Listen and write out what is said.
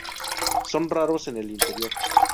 Son raros en el interior.